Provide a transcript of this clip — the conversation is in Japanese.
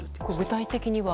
具体的には？